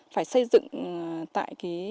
phải xây dựng tại cơ sở địa bàn